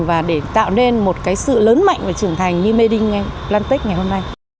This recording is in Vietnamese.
và để tạo nên một cái sự lớn mạnh và trưởng thành như made in atlantic ngày hôm nay